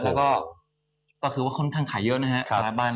แล้วก็คือว่าค่อนข้างขายเยอะนะครับสถาบัน